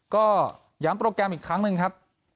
ก็ย้ำโปรแกรมอีกครั้งหนึ่งครับ